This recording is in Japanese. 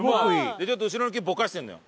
ちょっと後ろの木ぼかしてるのよ。